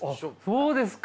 そうですか。